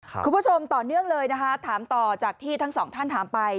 คุณผู้ชมต่อเนื่องเลยนะคะถามต่อจากที่ทั้งสองท่านถามไป